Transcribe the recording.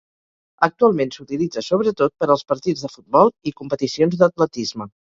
Actualment s'utilitza sobretot per als partits de futbol i competicions d'atletisme.